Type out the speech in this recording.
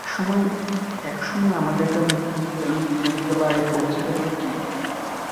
একসময় আমাদের গ্রামে বিদ্যুৎ এল, ধীরে ধীরে বাড়ি বাড়ি পৌঁছে গেল টিভি।